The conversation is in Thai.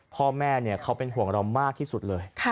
พ่อแม่เขาเป็นห่วงเรามากที่สุดเลย